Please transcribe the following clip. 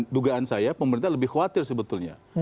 dugaan saya pemerintah lebih khawatir sebetulnya